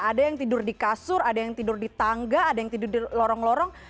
ada yang tidur di kasur ada yang tidur di tangga ada yang tidur di lorong lorong